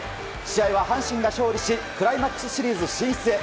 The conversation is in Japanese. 試合は阪神が勝利しクライマックスシリーズ進出へ。